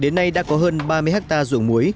đến nay đã có hơn ba mươi hectare ruộng muối